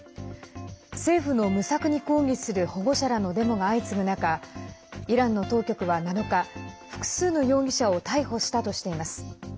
政府の無策に抗議する保護者らのデモが相次ぐ中イランの当局は７日複数の容疑者を逮捕したとしています。